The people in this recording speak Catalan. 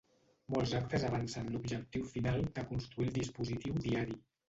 Molts actes avancen l'objectiu final de construir el dispositiu diari.